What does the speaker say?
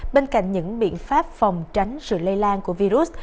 bên cạnh những biện pháp phòng tránh sự lây lan của virus